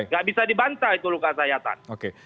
gak bisa dibantah itu luka sayatan